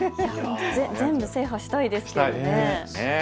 全部、制覇したいですね。